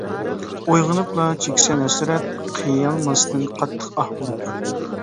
ئويغىنىپلا چېكىسەن ھەسرەت، قىيالماستىن قاتتىق ئاھ ئۇرۇپ.